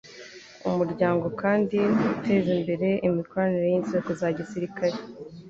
Umuryango kandi uteza imbere imikoranire y'inzego za gisirikare